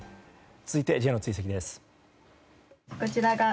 続いてＪの追跡です。